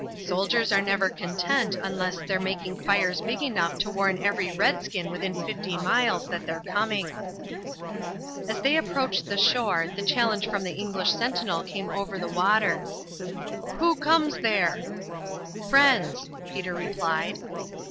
"Soldiers are never content unless they're making fires big enough to warn every redskin within fifty miles that they're coming." As they approached the shore the challenge from the English sentinel came over the water: "Who comes there?" "Friends," Peter replied.